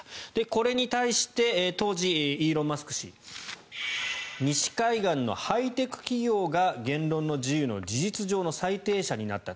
これに対して当時、イーロン・マスク氏西海岸のハイテク企業が言論の自由の事実上の裁定者になった。